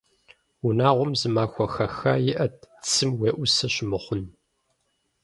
Унагъуэм зы махуэ хэха иӏэт цым уеӏусэ щымыхъун.